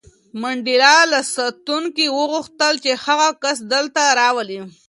منډېلا له ساتونکي وغوښتل چې هغه کس دلته راولي.